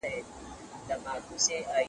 د سرطان ژوندي پاتې کېدل د درملنې سره تړلي دي.